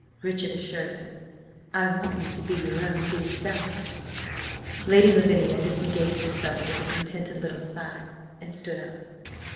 Richard assured her. "I want you to be your own dear self!" ... Lady Lavinia disengaged herself with a contented little sigh, and stood up.